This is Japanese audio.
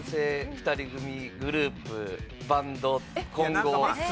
２人組グループバンド混合。